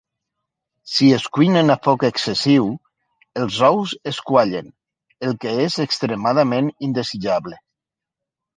Si es cuinen a foc excessiu, els ous es quallen, el que és extremadament indesitjable.